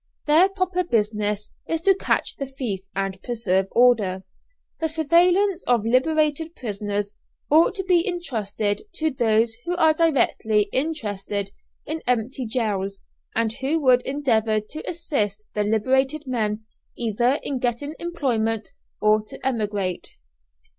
Their proper business is to catch the thief and preserve order. The surveillance of liberated prisoners ought to be entrusted to those who are directly interested in empty jails, and who would endeavour to assist the liberated men either in getting employment or to emigrate.